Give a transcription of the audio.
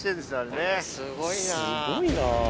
すごいな。